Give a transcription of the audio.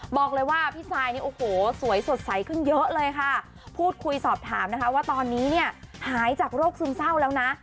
บอกเลยว่าพี่ซายนี่โอ้โหสวยสดใสขึ้นเยอะเลยค่ะพูดคุยสอบถามนะคะว่าตอนนี้เนี่ยหายจากโรคซึมเศร้าแล้วนะ